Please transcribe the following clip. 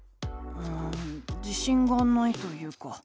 うん自しんがないというか。